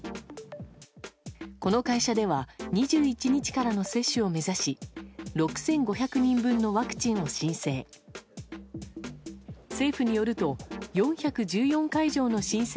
この会社では２１日からの接種を目指し６５００人分のワクチンを申請。